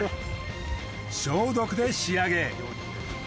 消毒で仕上げ。